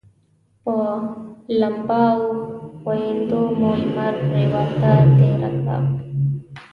په لمبا او ښویندیو مو لمر پرېواته تېره کړه.